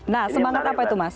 nah semangat apa itu mas